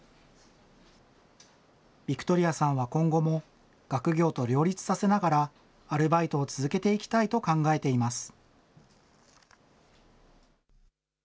ヴィクトリアさんは今後も学業と両立させながら、アルバイトを続けていきたいと考えています。